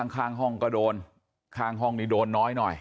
ข้างห้องก็โดนข้างห้องนี้โดนน้อยหน่อย